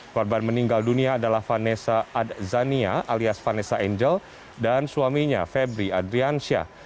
korban meninggal dunia adalah vanessa adzania alias vanessa angel dan suaminya febri adriansyah